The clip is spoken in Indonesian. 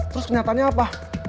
terus kenyataannya apa